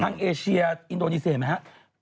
ทางเอเชียอินโดนีเซียเห็นไหมครับ